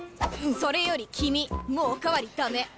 それより君もうお代わり駄目！